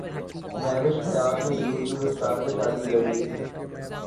مہوش حیات نے YouTube star سے شادی کرلی